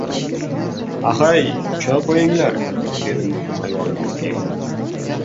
— Ahay, choy qo‘yinglar! — dedim ayolimizga.